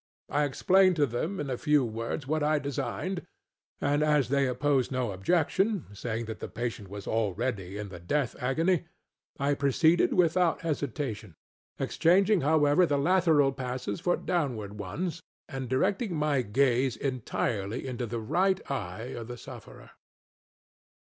I explained to them, in a few words, what I designed, and as they opposed no objection, saying that the patient was already in the death agony, I proceeded without hesitationŌĆöexchanging, however, the lateral passes for downward ones, and directing my gaze entirely into the right eye of the sufferer.